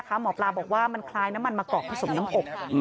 หมอปลาบอกว่ามันคล้ายน้ำมันมะกอกผสมน้ำอบ